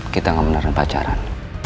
kita gak beneran pacaran